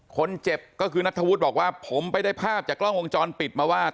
คนเจ็บก็คือนัทธวุฒิบอกว่าผมไปได้ภาพจากกล้องวงจรปิดมาว่า